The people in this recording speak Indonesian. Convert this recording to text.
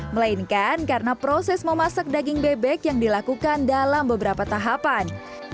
melainkan karena proses memasak daging bebek yang dilakukan dalam beberapa tahapan